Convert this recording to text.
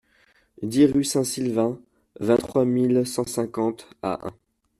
dix rue Saint-Silvain, vingt-trois mille cent cinquante Ahun